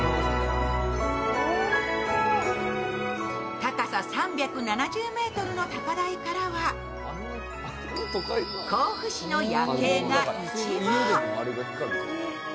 高さ３７０ｍの高台からは、甲府市の夜景が一望。